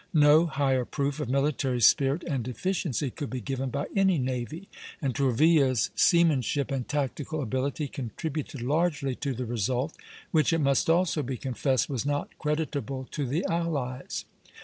No higher proof of military spirit and efficiency could be given by any navy, and Tourville's seamanship and tactical ability contributed largely to the result, which it must also be confessed was not creditable to the allies.